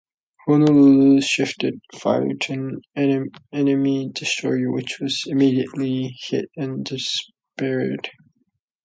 "Honolulu" shifted fire to an enemy destroyer, which was immediately hit and disappeared.